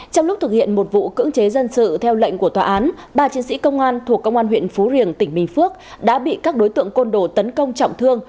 trong lúc thực hiện một vụ cưỡng chế dân sự theo lệnh của tòa án ba chiến sĩ công an thuộc công an huyện phú riềng tỉnh bình phước đã bị các đối tượng côn đồ tấn công trọng thương